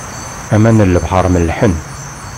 Aman n lebḥer mellḥen.